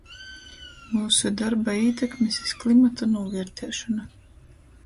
Myusu dorba ītekmis iz klimatu nūviertiešona.